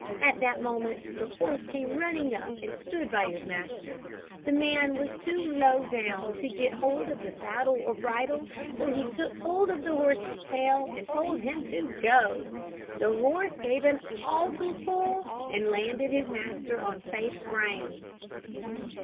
At that moment the horse came running up, and stood by his master. The man was too low down to get hold of the saddle or bridle, so he took hold of the horse's tail, and told him to go. The horse gave an awful pull, and landed his master on safe ground."